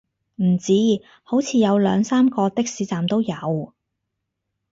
唔止，好似有兩三個的士站都有